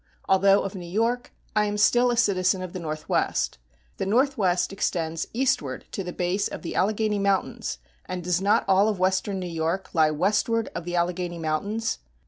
Although of New York, I am still a citizen of the Northwest. The Northwest extends eastward to the base of the Alleghany Mountains, and does not all of western New York lie westward of the Alleghany Mountains?